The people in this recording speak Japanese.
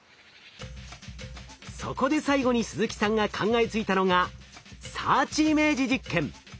そこで最後に鈴木さんが考えついたのがサーチイメージ実験。